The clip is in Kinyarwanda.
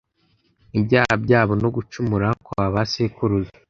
ibyaha byabo no gucumura kwa ba sekuruza